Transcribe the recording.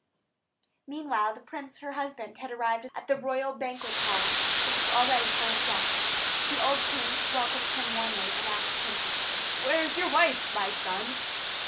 Meanwhile the prince, her husband, had arrived at the royal banquet hall, which was already full of guests. The old king welcomed him warmly, and asked him: "Where is your wife, my son?"